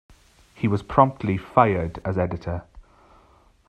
He was promptly fired as editor.